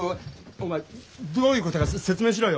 おいどういうことか説明しろよ。